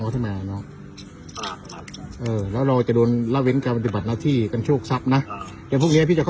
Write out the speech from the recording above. คุยกันน้องดูแต่เยาว์ตัวเขาไม่ยอมเดี๋ยวพรุ่งนี้พรุ่งนี้ก็ก็